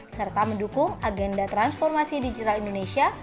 serta mendukung agenda transformasi digital indonesia